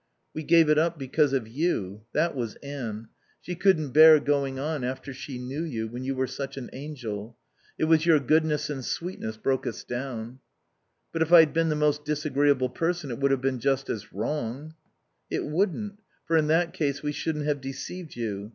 "We gave it up because of you. That was Anne. She couldn't bear going on after she knew you, when you were such an angel. It was your goodness and sweetness broke us down." "But if I'd been the most disagreeable person it would have been just as wrong." "It wouldn't, for in that case we shouldn't have deceived you.